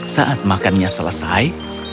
saat makannya selesai